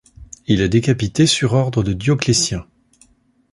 Il est décapité sur ordre de Dioclétien.